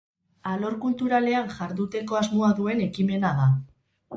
Alor kulturalean jarduteko asmoa duen ekimena da.